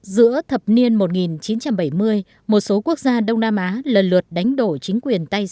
giữa thập niên một nghìn chín trăm bảy mươi một số quốc gia đông nam á lần lượt đánh đổ chính quyền tây dương